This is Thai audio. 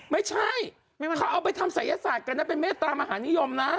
ไม่ใช่เขาเอาไปทำศัยศาสตร์กันนะเป็นเมตตามหานิยมนะ